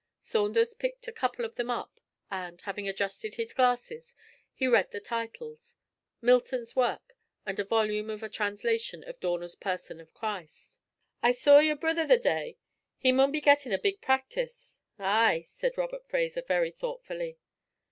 Saunders picked a couple of them up, and, having adjusted his glasses, he read the titles Milton's Works, and a volume of a translation of Dorner's Person of Christ. 'I saw yer brither the day; he maun be gettin' a big practice!' 'Ay!' said Robert Fraser, very thoughtfully.